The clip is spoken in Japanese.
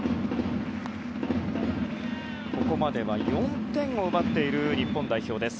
ここまでは４点を奪っている日本代表です。